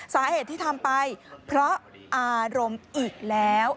สาเหตุที่ทำไปเพราะอารมณ์อีกแล้ว